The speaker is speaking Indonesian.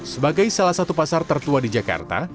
sebagai salah satu pasar tertua di jakarta